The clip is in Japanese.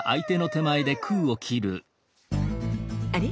あれ？